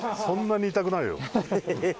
そんなにいたくないよ。